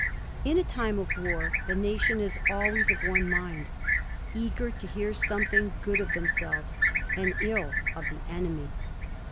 In a time of war the nation is always of one mind, eager ^ hear something good of themselves and ill of the enemy, ^.